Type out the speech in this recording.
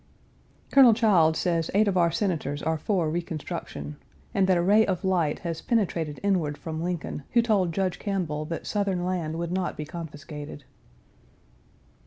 Colonel Childs says eight of our Senators are for reconstruction, and that a ray of light has penetrated inward from Lincoln, who told Judge Campbell that Southern land would not be confiscated.